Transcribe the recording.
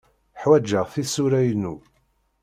Ḥwajeɣ tisura-inu.